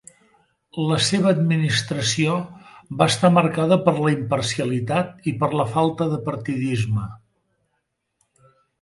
La seva administració va estar marcada per la imparcialitat i per la falta de partidisme.